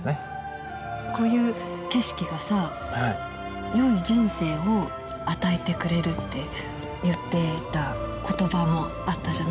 こういう景色がさよい人生を与えてくれるって言っていた言葉もあったじゃない？